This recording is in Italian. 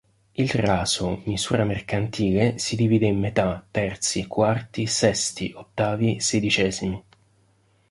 Il raso, misura mercantile, si divide in metà, terzi, quarti, sesti, ottavi, sedicesimi.